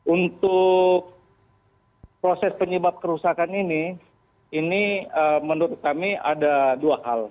untuk proses penyebab kerusakan ini ini menurut kami ada dua hal